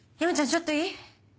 ちょっといい？